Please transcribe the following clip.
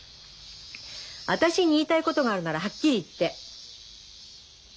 私に言いたいことがあるならはっきり言って。